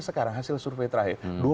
sekarang hasil survei terakhir